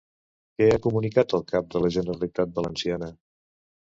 Què ha comunicat el cap de la Generalitat Valenciana?